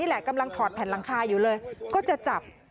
แหละกำลังถอดแผ่นหลังคาอยู่เลยก็จะจับ